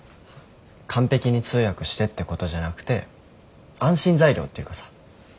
完璧に通訳してってことじゃなくて安心材料っていうかさ。